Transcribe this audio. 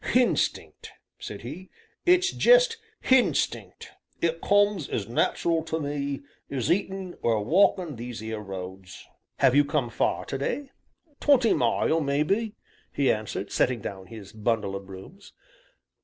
"Hinstinct!" said he, "it's jest hinstinct it comes as nat'ral to me as eatin', or walkin' these 'ere roads." "Have you come far to day?" "Twenty mile, maybe," he answered, setting down his bundle of brooms.